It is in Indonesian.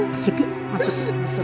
masuk yuk masuk